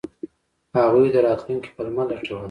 هغوی د راتلونکي پلمه لټوله.